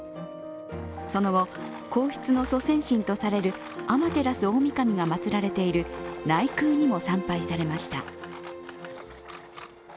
その後、皇室の祖先神とされる天照大御神が祭られている内宮にも参拝されました。